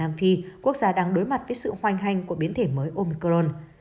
nam phi quốc gia đang đối mặt với sự hoành hành của biến thể mới omicron